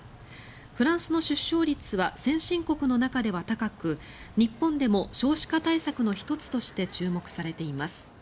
フランスの出生率は先進国の中では高く日本でも少子化対策の１つとして注目されています。